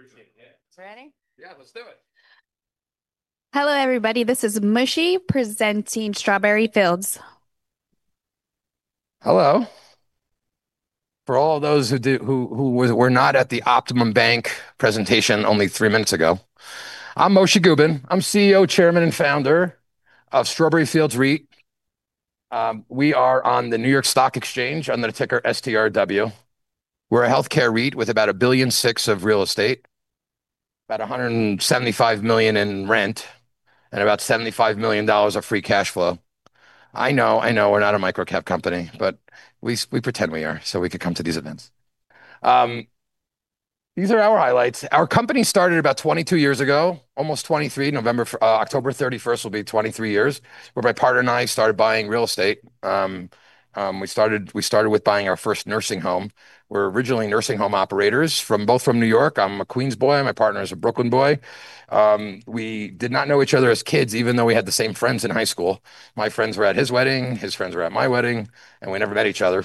Hey, thank you so much. Appreciate it, yeah. Ready? Yeah, let's do it. Hello, everybody. This is Moishe presenting Strawberry Fields. Hello. For all those who were not at the OptimumBank presentation only 3 minutes ago, I'm Moishe Gubin. I'm CEO, chairman, and founder of Strawberry Fields REIT. We are on the New York Stock Exchange under the ticker STRW. We're a healthcare REIT with about $1.6 billion of real estate, about $175 million in rent, and about $75 million of free cash flow. I know, I know, we're not a micro-cap company, but we pretend we are so we can come to these events. These are our highlights. Our company started about 22 years ago, almost 23. October 31st will be 23 years, where my partner and I started buying real estate. We started with buying our first nursing home. We're originally nursing home operators, both from New York. I'm a Queens boy, my partner is a Brooklyn boy. We did not know each other as kids, even though we had the same friends in high school. My friends were at his wedding, his friends were at my wedding, and we never met each other.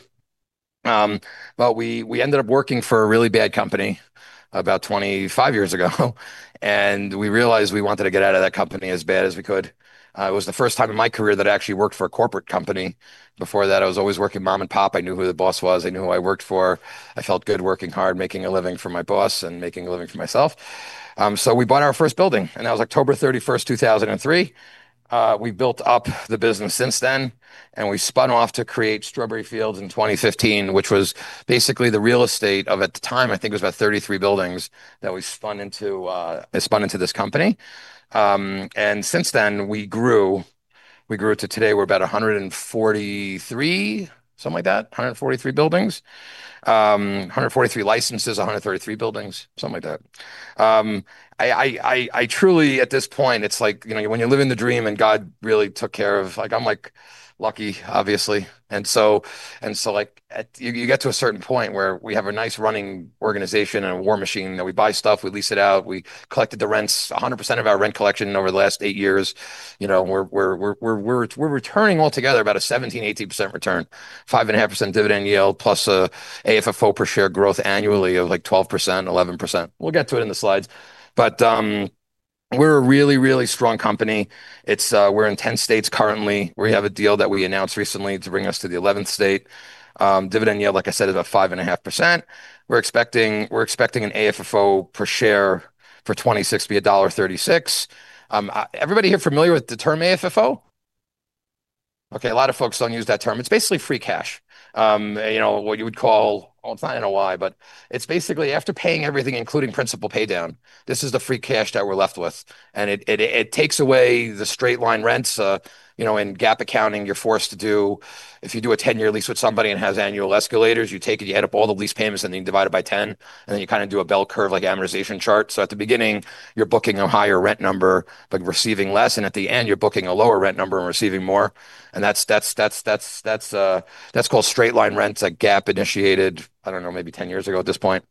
We ended up working for a really bad company about 25 years ago, and we realized we wanted to get out of that company as bad as we could. It was the first time in my career that I actually worked for a corporate company. Before that, I was always working mom and pop. I knew who the boss was. I knew who I worked for. I felt good working hard, making a living for my boss and making a living for myself. We bought our first building, and that was October 31st, 2003. We built up the business since then, and we spun off to create Strawberry Fields in 2015, which was basically the real estate of, at the time, I think it was about 33 buildings that we spun into this company. Since then, we grew. We grew to today, we're about 143, something like that, 143 buildings. 143 licenses, 133 buildings, something like that. I truly, at this point, it's like when you're living the dream and God really took care of I'm lucky, obviously. You get to a certain point where we have a nice running organization and a war machine. We buy stuff, we lease it out, we collected the rents, 100% of our rent collection over the last eight years. We're returning altogether about a 17%-18% return, 5.5% dividend yield, plus AFFO per share growth annually of 12%-11%. We'll get to it in the slides. We're a really, really strong company. We're in 10 states currently. We have a deal that we announced recently to bring us to the 11th state. Dividend yield, like I said, is about 5.5%. We're expecting an AFFO per share for 2026 be $1.36. Everybody here familiar with the term AFFO? Okay, a lot of folks don't use that term. It's basically free cash. What you would call It's not NOI, but it's basically after paying everything, including principal paydown. This is the free cash that we're left with, and it takes away the straight-line rent. In GAAP accounting, you're forced to do, if you do a 10-year lease with somebody and it has annual escalators, you take it, you add up all the lease payments, you divide it by 10, then you do a bell curve amortization chart. At the beginning, you're booking a higher rent number but receiving less, at the end, you're booking a lower rent number and receiving more. That's called straight-line rent that GAAP initiated, I don't know, maybe 10 years ago at this point.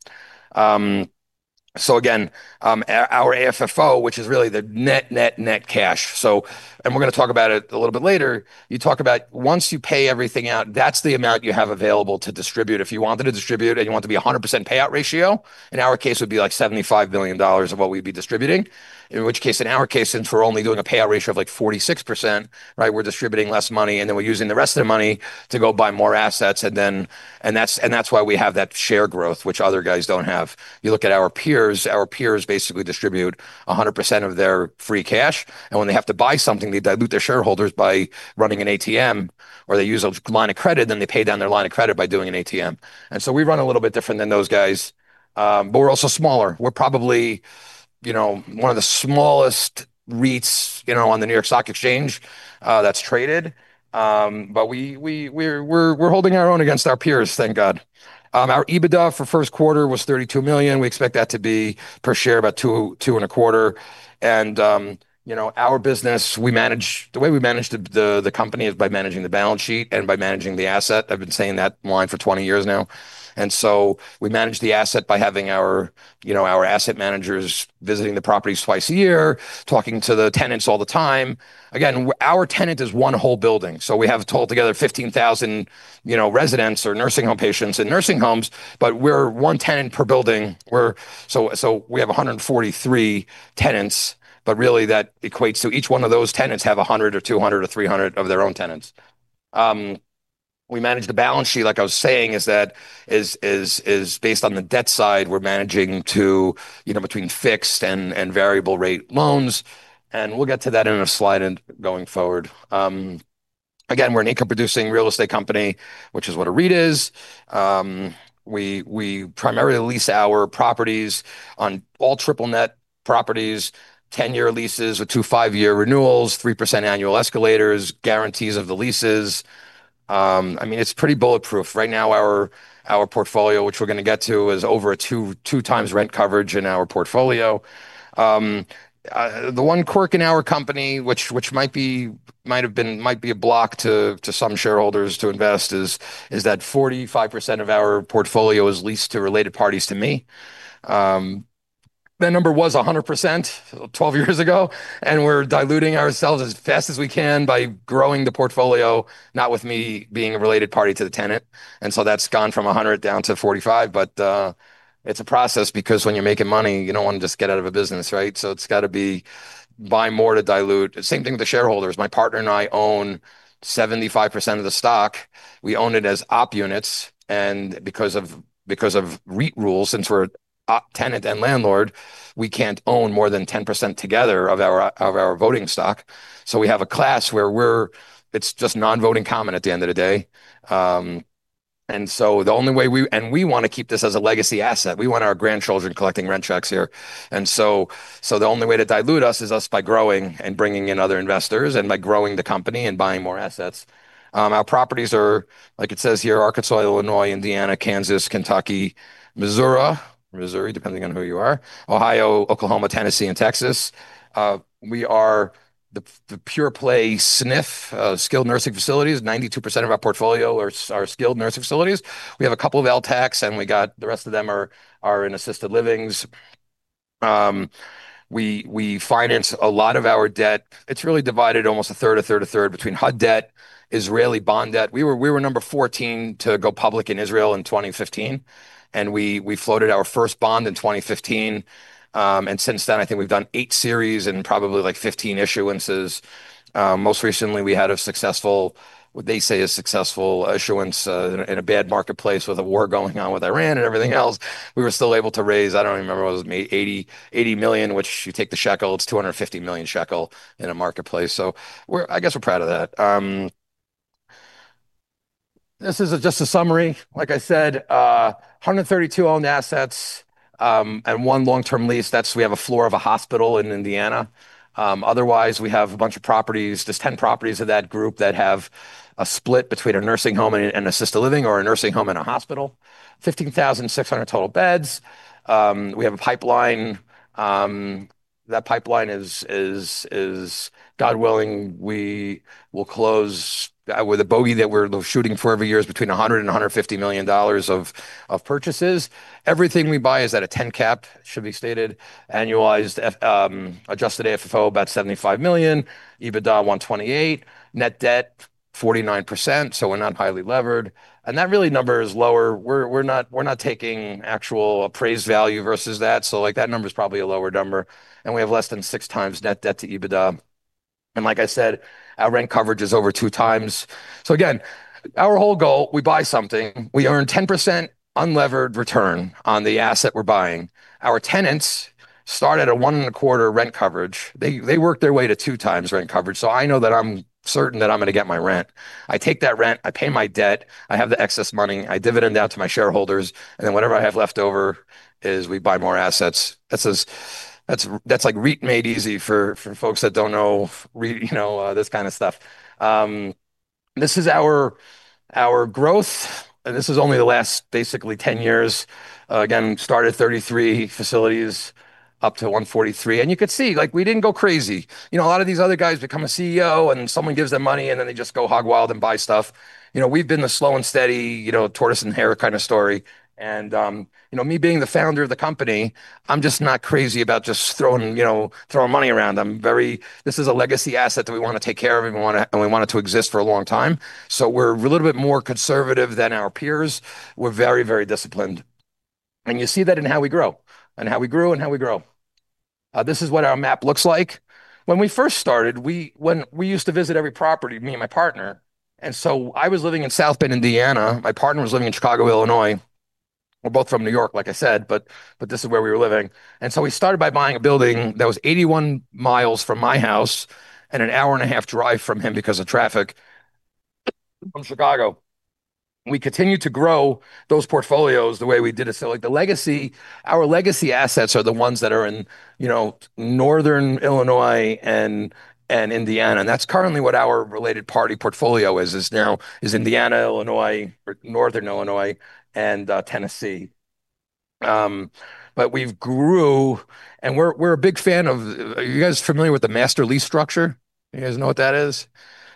Again, our AFFO, which is really the net, net cash. We're going to talk about it a little bit later. You talk about once you pay everything out, that's the amount you have available to distribute. If you wanted to distribute it, you want it to be 100% payout ratio. In our case, it would be $75 million of what we'd be distributing. In our case, since we're only doing a payout ratio of 46%, we're distributing less money, then we're using the rest of the money to go buy more assets. That's why we have that share growth, which other guys don't have. You look at our peers. Our peers basically distribute 100% of their free cash. When they have to buy something, they dilute their shareholders by running an ATM, or they use a line of credit, then they pay down their line of credit by doing an ATM. We run a little bit different than those guys. We're also smaller. We're probably one of the smallest REITs on the New York Stock Exchange that's traded. We're holding our own against our peers, thank God. Our EBITDA for first quarter was $32 million. We expect that to be per share about $2.25. Our business, the way we manage the company is by managing the balance sheet and by managing the asset. I've been saying that line for 20 years now. We manage the asset by having our asset managers visiting the properties twice a year, talking to the tenants all the time. Our tenant is one whole building. We have a total together of 15,000 residents or nursing home patients in nursing homes, but we're one tenant per building. We have 143 tenants, but really that equates to each one of those tenants have 100 or 200 or 300 of their own tenants. We manage the balance sheet, like I was saying, is based on the debt side. We're managing between fixed and variable rate loans, we'll get to that in a slide going forward. We're an income-producing real estate company, which is what a REIT is. We primarily lease our properties on all triple net properties, 10-year leases with two five-year renewals, 3% annual escalators, guarantees of the leases. It's pretty bulletproof. Right now, our portfolio, which we're going to get to, is over a 2 times rent coverage in our portfolio. The one quirk in our company, which might be a block to some shareholders to invest, is that 45% of our portfolio is leased to related parties to me. That number was 100% 12 years ago, we're diluting ourselves as fast as we can by growing the portfolio, not with me being a related party to the tenant. That's gone from 100 down to 45, it's a process because when you're making money, you don't want to just get out of a business, right? It's got to be buy more to dilute. Same thing with the shareholders. My partner and I own 75% of the stock. We own it as OP Units, and because of REIT rules, since we're OP tenant and landlord, we can't own more than 10% together of our voting stock. We have a class where it's just non-voting common at the end of the day. We want to keep this as a legacy asset. We want our grandchildren collecting rent checks here. The only way to dilute us is by growing and bringing in other investors, and by growing the company and buying more assets. Our properties are, like it says here, Arkansas, Illinois, Indiana, Kansas, Kentucky, Missouri, depending on who you are, Ohio, Oklahoma, Tennessee, and Texas. We are the pure play SNF, skilled nursing facilities. 92% of our portfolio are skilled nursing facilities. We have a couple of LTACs, and the rest of them are in assisted livings. We finance a lot of our debt. It's really divided almost a third, a third, a third between HUD debt, Israeli bond debt. We were number 14 to go public in Israel in 2015, and we floated our first bond in 2015. Since then, I think we've done eight series and probably 15 issuances. Most recently, we had what they say a successful issuance in a bad marketplace with a war going on with Iran and everything else. We were still able to raise, I don't even remember, it was $80 million, which you take the shekel, it's 250 million shekel in a marketplace. I guess we're proud of that. This is just a summary. Like I said, 132 owned assets, and one long-term lease. We have a floor of a hospital in Indiana. Otherwise, we have a bunch of properties. There's 10 properties of that group that have a split between a nursing home and an assisted living or a nursing home and a hospital. 15,600 total beds. We have a pipeline. That pipeline is, God willing, we will close with a bogey that we're shooting for every year is between $100 and $150 million of purchases. Everything we buy is at a 10 cap, should be stated. Annualized adjusted AFFO, about $75 million. EBITDA $128. Net debt 49%, so we're not highly levered. That really number is lower. We're not taking actual appraised value versus that number's probably a lower number. We have less than six times net debt to EBITDA. Like I said, our rent coverage is over two times. Again, our whole goal, we buy something, we earn 10% unlevered return on the asset we're buying. Our tenants start at a one and a quarter rent coverage. They work their way to two times rent coverage, so I know that I'm certain that I'm going to get my rent. I take that rent, I pay my debt, I have the excess money, I dividend out to my shareholders, and then whatever I have left over is we buy more assets. That's like REIT made easy for folks that don't know REIT, this kind of stuff. This is our growth, this is only the last 10 years. Again, started 33 facilities, up to 143. You could see, we didn't go crazy. A lot of these other guys become a CEO, someone gives them money, then they just go hog wild and buy stuff. We've been the slow and steady tortoise and hare kind of story. Me being the founder of the company, I'm just not crazy about just throwing money around. This is a legacy asset that we want to take care of, and we want it to exist for a long time. We're a little bit more conservative than our peers. We're very, very disciplined, and you see that in how we grew and how we grow. This is what our map looks like. When we first started, we used to visit every property, me and my partner. I was living in South Bend, Indiana. My partner was living in Chicago, Illinois. We're both from New York, like I said, but this is where we were living. We started by buying a building that was 81 miles from my house and an hour and a half drive from him because of traffic from Chicago. We continued to grow those portfolios the way we did. Like our legacy assets are the ones that are in northern Illinois and Indiana, and that's currently what our related party portfolio is Indiana, Illinois, or northern Illinois, and Tennessee. We've grew, we're a big fan of Are you guys familiar with the master lease structure? You guys know what that is?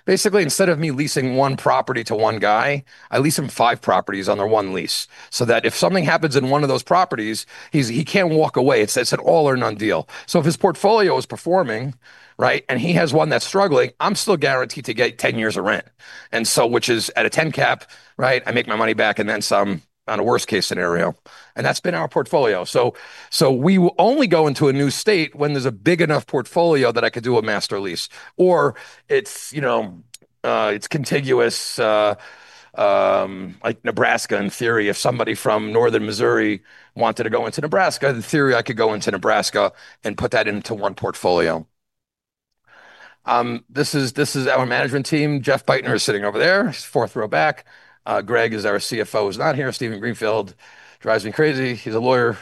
Instead of me leasing one property to one guy, I lease him five properties under one lease, so that if something happens in one of those properties, he can't walk away. It's an all or none deal. If his portfolio is performing, right, and he has one that's struggling, I'm still guaranteed to get 10 years of rent. Which is at a 10 cap, right? I make my money back and then some on a worst case scenario, and that's been our portfolio. We will only go into a new state when there's a big enough portfolio that I could do a master lease. Or it's contiguous, like Nebraska in theory. If somebody from northern Missouri wanted to go into Nebraska, in theory, I could go into Nebraska and put that into one portfolio. This is our management team. Jeff Bajtner is sitting over there. He's fourth row back. Greg is our CFO, who's not here. Steven Greenfield drives me crazy. He's a lawyer.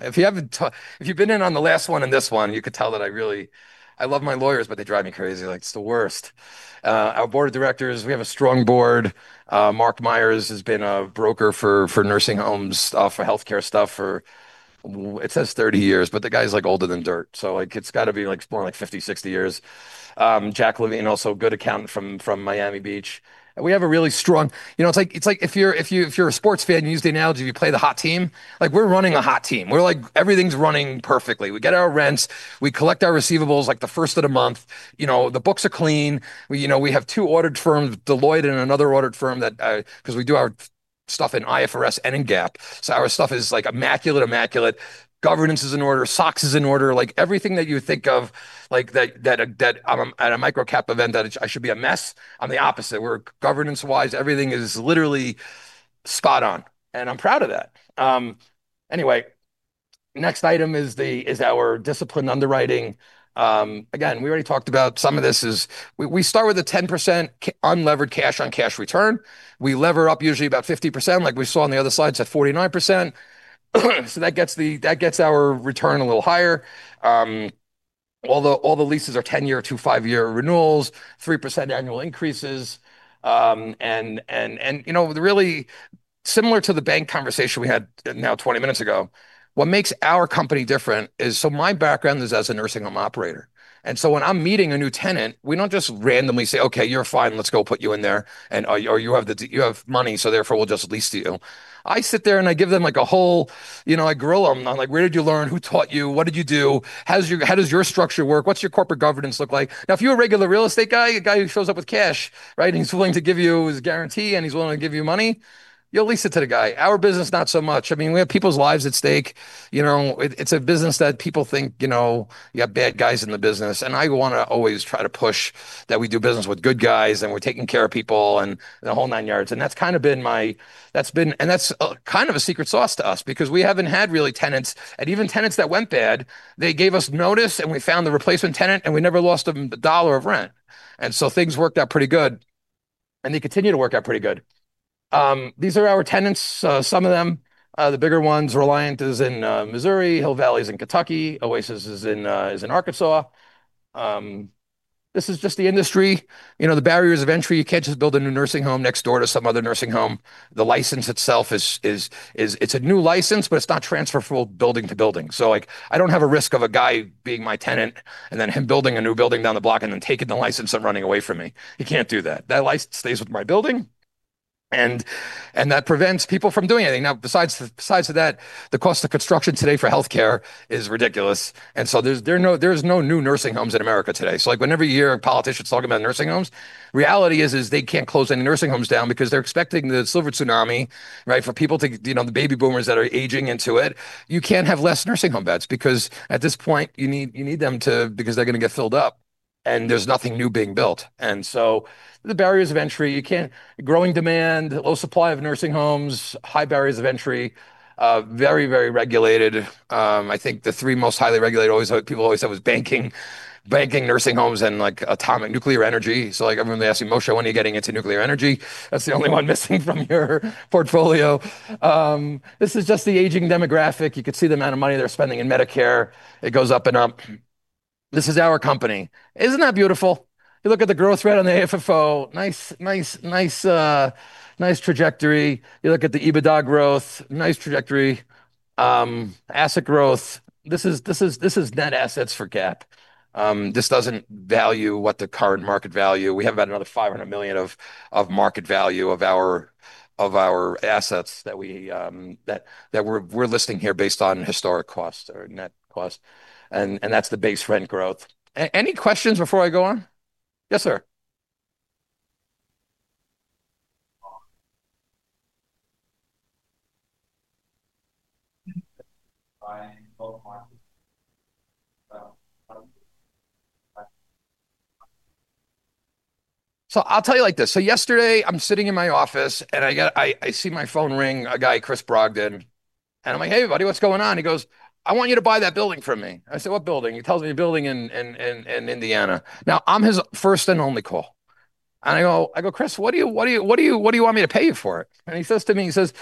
If you've been in on the last one and this one, you could tell that I really love my lawyers, but they drive me crazy. Like, it's the worst. Our board of directors, we have a strong board. Mark Myers has been a broker for nursing homes stuff, for healthcare stuff for, it says 30 years, but the guy's older than dirt, so it's got to be more like 50, 60 years. Jack Levine, also a good accountant from Miami Beach. It's like if you're a sports fan, you use the analogy of you play the hot team, like we're running a hot team. We're like everything's running perfectly. We get our rents, we collect our receivables like the first of the month. The books are clean. We have two audit firms, Deloitte and another audit firm, because we do our stuff in IFRS and in GAAP. Our stuff is immaculate. Governance is in order, SOX is in order. Everything that you would think of at a microcap event, that I should be a mess, I'm the opposite. Where governance-wise, everything is literally spot on, and I'm proud of that. Anyway, next item is our disciplined underwriting. Again, we already talked about some of this is we start with a 10% unlevered cash on cash return. We lever up usually about 50%, like we saw on the other slides, at 49%. That gets our return a little higher. All the leases are 10-year to 5-year renewals, 3% annual increases. Really similar to the bank conversation we had now 20 minutes ago, what makes our company different is, my background is as a nursing home operator. When I'm meeting a new tenant, we don't just randomly say, "Okay, you're fine, let's go put you in there," or, "You have money, therefore we'll just lease to you." I sit there and I give them a whole, I grill them. I'm like, "Where did you learn? Who taught you? What did you do? How does your structure work? What's your corporate governance look like?" If you're a regular real estate guy, a guy who shows up with cash, and he's willing to give you his guarantee and he's willing to give you money, you'll lease it to the guy. Our business, not so much. We have people's lives at stake. It's a business that people think you have bad guys in the business. I want to always try to push that we do business with good guys, and we're taking care of people, and the whole nine yards. That's been a secret sauce to us, because we haven't had really tenants Even tenants that went bad, they gave us notice, and we found the replacement tenant, and we never lost them a dollar of rent. Things worked out pretty good, and they continue to work out pretty good. These are our tenants. Some of them, the bigger ones, Reliant is in Missouri, Hill Valley is in Kentucky, Oasis is in Arkansas. This is just the industry. The barriers of entry, you can't just build a new nursing home next door to some other nursing home. The license itself, it's a new license, it's not transferable building to building. I don't have a risk of a guy being my tenant and then him building a new building down the block and then taking the license and running away from me. He can't do that. That license stays with my building, and that prevents people from doing anything. Besides that, the cost of construction today for healthcare is ridiculous. There's no new nursing homes in America today. Whenever you hear politicians talking about nursing homes, reality is they can't close any nursing homes down because they're expecting the silver tsunami, for people to, the baby boomers that are aging into it. You can't have less nursing home beds because, at this point, you need them to because they're going to get filled up and there's nothing new being built. The barriers of entry, growing demand, low supply of nursing homes, high barriers of entry, very regulated. I think the three most highly regulated people always said was banking, nursing homes, and atomic nuclear energy. Everyone may ask me, "Moishe, when are you getting into nuclear energy? That's the only one missing from your portfolio." This is just the aging demographic. You could see the amount of money they're spending in Medicare. It goes up and up. This is our company. Isn't that beautiful? You look at the growth rate on the AFFO, nice trajectory. You look at the EBITDA growth, nice trajectory. Asset growth. This is net assets for GAAP. This doesn't value what the current market value. We have about another $500 million of market value of our assets that we're listing here based on historic cost or net cost, and that's the base rent growth. Any questions before I go on? Yes, sir. I'll tell you like this. Yesterday I'm sitting in my office and I see my phone ring. A guy, Chris Brogden, and I'm like, "Hey, buddy, what's going on?" He goes, "I want you to buy that building from me." I said, "What building?" He tells me a building in Indiana. Now, I'm his first and only call. I go, "Chris, what do you want me to pay you for it?" He says to me, he says,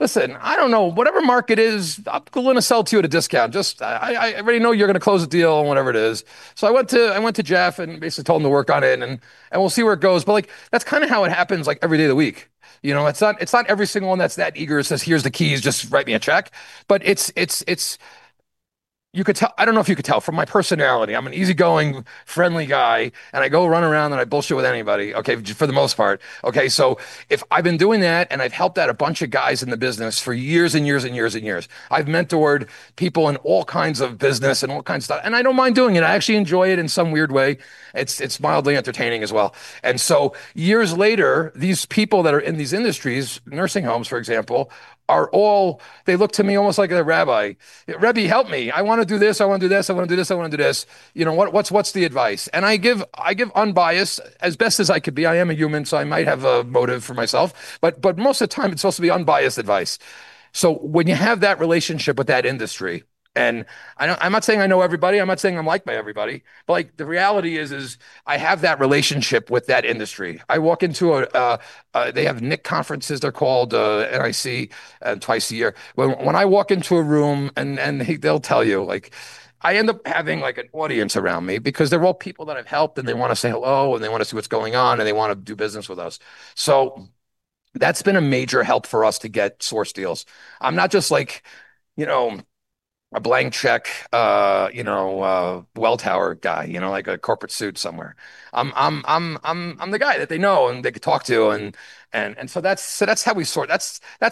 "Listen, I don't know. Whatever market is, I'm going to sell to you at a discount. I already know you're going to close the deal or whatever it is." I went to Jeff and basically told him to work on it, and we'll see where it goes. That's how it happens every day of the week. It's not every single one that's that eager and says, "Here's the keys, just write me a check." I don't know if you could tell from my personality, I'm an easygoing, friendly guy, and I go run around and I bullshit with anybody, for the most part. Okay. If I've been doing that, and I've helped out a bunch of guys in the business for years and years. I've mentored people in all kinds of business and all kinds of stuff, and I don't mind doing it. I actually enjoy it in some weird way. It's mildly entertaining as well. Years later, these people that are in these industries, nursing homes, for example, they look to me almost like a rabbi. "Rabbi, help me. I want to do this, I want to do this, I want to do this, I want to do this. What's the advice?" I give unbiased, as best as I could be. I am a human, so I might have a motive for myself. Most of the time, it's supposed to be unbiased advice. When you have that relationship with that industry, and I'm not saying I know everybody, I'm not saying I'm liked by everybody, but the reality is I have that relationship with that industry. They have NIC conferences, they're called, NIC, twice a year. When I walk into a room, and they'll tell you, I end up having an audience around me because they're all people that I've helped, and they want to say hello, and they want to see what's going on, and they want to do business with us. That's been a major help for us to get source deals. I'm not just a blank check Welltower guy, like a corporate suit somewhere. I'm the guy that they know and they could talk to. That's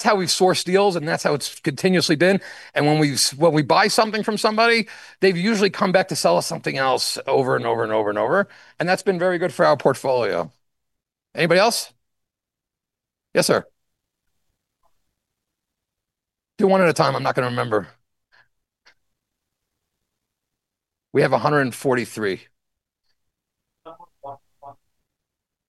how we source deals and that's how it's continuously been. When we buy something from somebody, they've usually come back to sell us something else over and over and over and over, and that's been very good for our portfolio. Anybody else? Yes, sir. Do one at a time. I'm not going to remember. We have 143.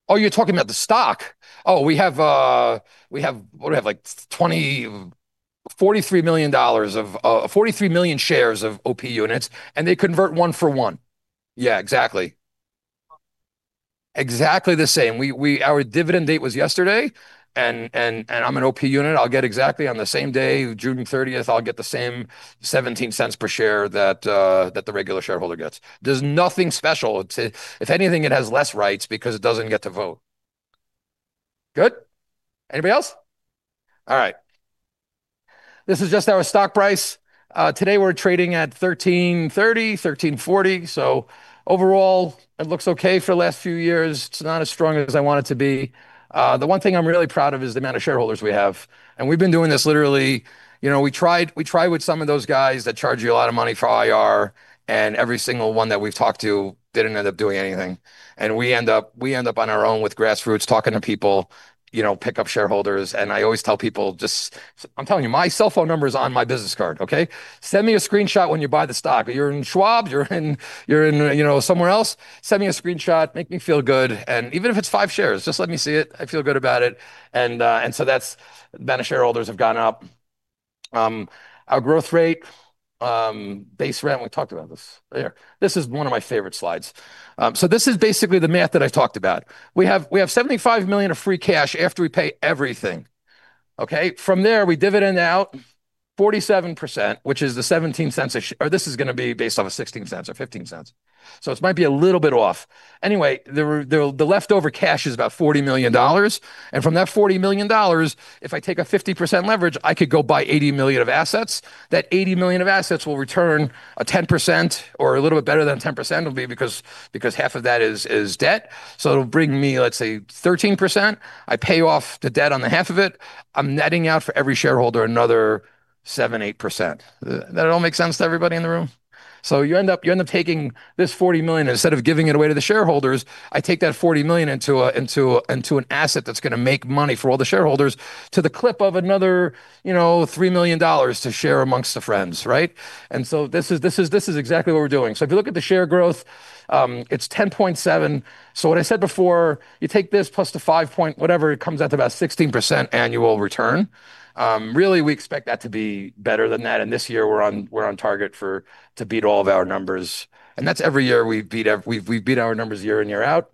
Oh, you're talking about the stock. We have, what do we have? $43 million of, 43 million shares of OP Units, and they convert one for one. Yeah, exactly. Exactly the same. Our dividend date was yesterday, and I'm an OP Unit. I'll get exactly on the same day, June 30th, I'll get the same $0.17 per share that the regular shareholder gets. There's nothing special. If anything, it has less rights because it doesn't get to vote. Good? Anybody else? All right. This is just our stock price. Today we're trading at $13.30, $13.40, overall it looks okay for the last few years. It's not as strong as I want it to be. The one thing I'm really proud of is the amount of shareholders we have, we've been doing this literally We try with some of those guys that charge you a lot of money for IR, every single one that we've talked to didn't end up doing anything. We end up on our own with grassroots, talking to people, pick up shareholders. I always tell people, just, I'm telling you, my cellphone number is on my business card, okay? Send me a screenshot when you buy the stock. You're in Schwab, you're in somewhere else, send me a screenshot, make me feel good. Even if it's five shares, just let me see it. I feel good about it. That's the amount of shareholders have gone up. Our growth rate, base rent, we talked about this. There. This is one of my favorite slides. This is basically the math that I talked about. We have $75 million of free cash after we pay everything, okay? From there, we dividend out 47%, which is the $0.17 a share, or this is going to be based off of $0.16 or $0.15. It might be a little bit off. Anyway, the leftover cash is about $40 million. From that $40 million, if I take a 50% leverage, I could go buy $80 million of assets. That $80 million of assets will return a 10%, or a little bit better than 10% it'll be because half of that is debt. It'll bring me, let's say, 13%. I pay off the debt on the half of it. I'm netting out for every shareholder another seven, 8%. That all make sense to everybody in the room? You end up taking this $40 million. Instead of giving it away to the shareholders, I take that $40 million into an asset that's going to make money for all the shareholders to the clip of another $3 million to share amongst the friends, right? This is exactly what we're doing. If you look at the share growth, it's 10.7%. What I said before, you take this plus the five-point whatever, it comes out to about 16% annual return. We expect that to be better than that, and this year we're on target to beat all of our numbers. That's every year, we beat our numbers year in, year out.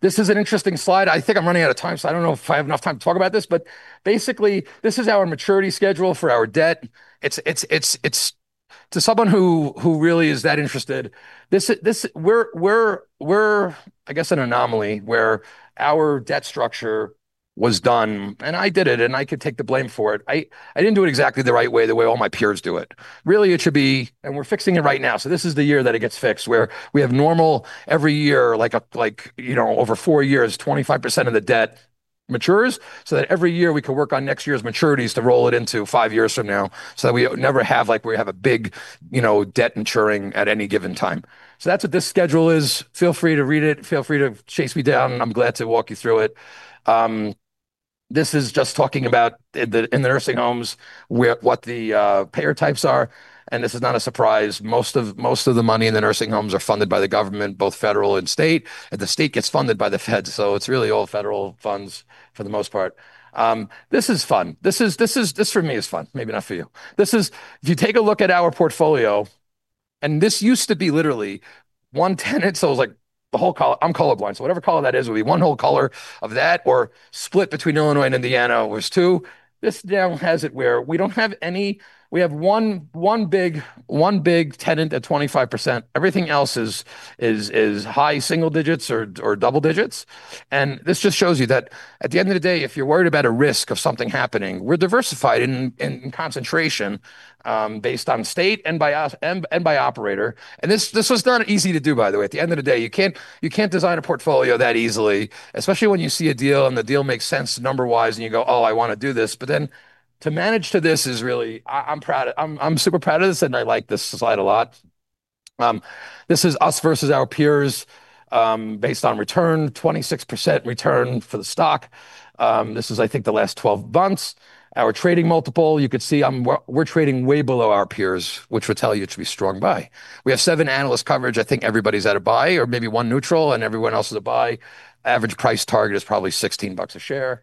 This is an interesting slide. I think I'm running out of time, so I don't know if I have enough time to talk about this. Basically, this is our maturity schedule for our debt. To someone who really is that interested, we're I guess an anomaly, where our debt structure was done, and I did it, and I could take the blame for it. I didn't do it exactly the right way, the way all my peers do it. It should be, and we're fixing it right now, so this is the year that it gets fixed, where we have normal, every year, over four years, 25% of the debt matures so that every year we can work on next year's maturities to roll it into five years from now so that we never have, like, where we have a big debt maturing at any given time. That's what this schedule is. Feel free to read it. Feel free to chase me down, I'm glad to walk you through it. This is just talking about in the nursing homes what the payer types are, this is not a surprise. Most of the money in the nursing homes are funded by the government, both federal and state. The state gets funded by the feds, it's really all federal funds for the most part. This is fun. This for me is fun. Maybe not for you. If you take a look at our portfolio, this used to be literally one tenant, so it was like the whole color. I'm colorblind, so whatever color that is, it would be one whole color of that, or split between Illinois and Indiana was two. This now has it where we don't have any. We have one big tenant at 25%. Everything else is high single digits or double digits. This just shows you that at the end of the day, if you're worried about a risk of something happening, we're diversified in concentration, based on state and by operator. This was not easy to do, by the way. At the end of the day, you can't design a portfolio that easily. Especially when you see a deal and the deal makes sense number-wise, and you go, "Oh, I want to do this." To manage to this is really, I'm super proud of this and I like this slide a lot. This is us versus our peers, based on return. 26% return for the stock. This is I think the last 12 months. Our trading multiple, you could see we're trading way below our peers, which would tell you to be strong buy. We have seven analyst coverage. I think everybody's at a buy, or maybe one neutral and everyone else is a buy. Average price target is probably $16 a share.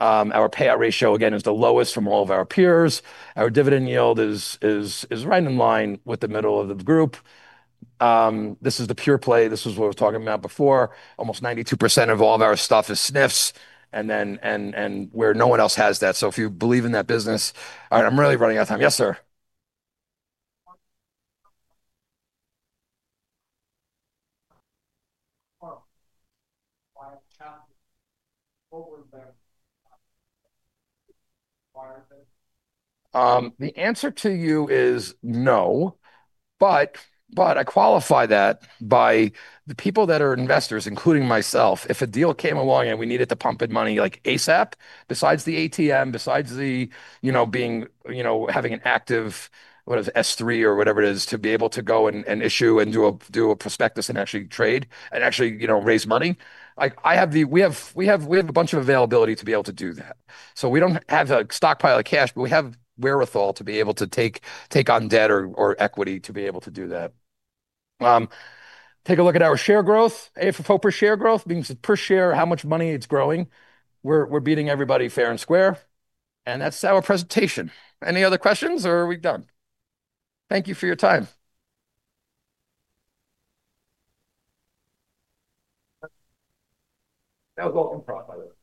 Our payout ratio, again, is the lowest from all of our peers. Our dividend yield is right in line with the middle of the group. This is the pure play. This is what I was talking about before. Almost 92% of all of our stuff is SNFs, and where no one else has that. If you believe in that business. All right, I'm really running out of time. Yes, sir. The answer to you is no. I qualify that by the people that are investors, including myself, if a deal came along and we needed to pump in money, like, ASAP, besides the ATM, besides having an active, what is S3 or whatever it is, to be able to go and issue and do a prospectus and actually trade, and actually raise money. We have a bunch of availability to be able to do that. We don't have a stockpile of cash, but we have wherewithal to be able to take on debt or equity to be able to do that. Take a look at our share growth. AFFO per share growth means per share, how much money it's growing. We're beating everybody fair and square. That's our presentation. Any other questions or are we done? Thank you for your time.